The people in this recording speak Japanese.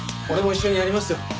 俺も一緒にやりますよ。